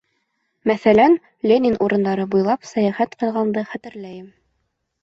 Мәҫәлән, Ленин урындары буйлап сәйәхәт ҡылғанды хәтерләйем.